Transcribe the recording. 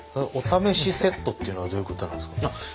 お試しセットっていうのはどういうことなんですか？